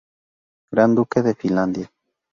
Gran Duque de Finlandia.